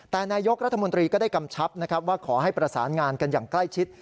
แต่นายกรัฐมนตรีก็ได้กำชับนะครับว่าขอให้ประสานงานกันอย่างใกล้ชิด